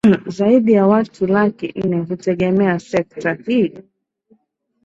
Zaidi ya watu laki nne hutegemea sekta hii